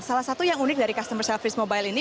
salah satu yang unik dari customer service mobile ini